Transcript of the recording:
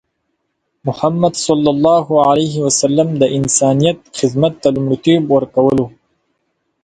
محمد صلى الله عليه وسلم د انسانیت خدمت ته لومړیتوب ورکوله.